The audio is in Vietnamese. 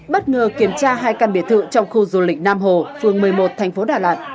bất ngờ kiểm tra hai căn biệt thự trong khu du lịch nam hồ phường một mươi một thành phố đà lạt